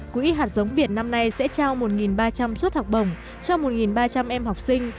quỹ hạt giống việt năm nay sẽ trao một ba trăm linh suất học bổng cho một ba trăm linh em học sinh